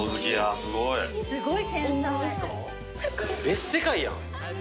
別世界やん。